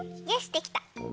できた。